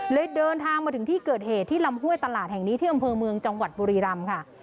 เดินทางมาถึงที่เกิดเหตุที่ลำห้วยตลาดแห่งนี้ที่อำเภอเมืองจังหวัดบุรีรำค่ะ